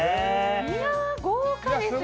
いや豪華ですよね。